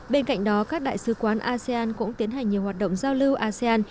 bên cạnh đó các đại sứ quán asean cũng tiến hành nhiều hoạt động giao lưu asean